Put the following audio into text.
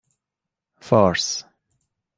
فارس